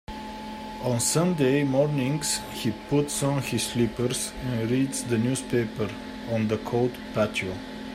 On Sunday mornings, he puts on his slippers and reads the newspaper on the cold patio.